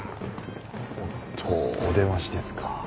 おっとお出ましですか。